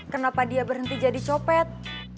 kenapa dia berhenti jadi copet